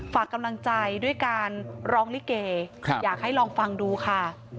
ฝากกำลังใจด้วยการร้องลิเกอยากให้ลองฟังดูค่ะ